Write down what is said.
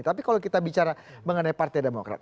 tapi kalau kita bicara mengenai partai demokrat